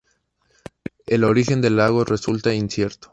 El origen del lago resulta incierto.